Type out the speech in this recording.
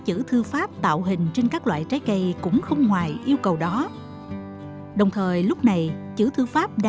chữ thư pháp tạo hình trên các loại trái cây cũng không ngoài yêu cầu đó đồng thời lúc này chữ thư pháp